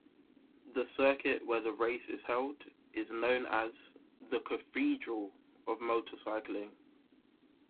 The circuit where the race is held is known as "The Cathedral" of motorcycling.